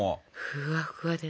ふわふわでね。